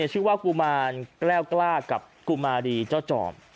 ชื่อว่ากุมารแกล้วกล้ากับกุมารีเจ้าจร